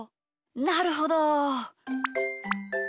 なるほど！